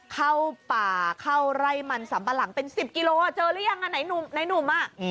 เข้าป่าเข้าไร่มันสัมปะหลังเป็น๑๐กิโลเมตรเจอหรือยังในนุ่ม